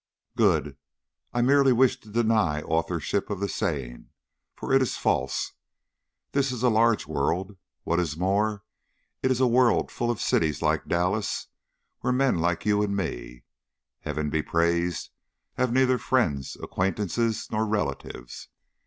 "Good! I merely wish to deny authorship of the saying, for it is false. This is a large world. What is more, it is a world full of cities like Dallas where men like you and me, Heaven be praised, have neither friends, acquaintances, nor relatives.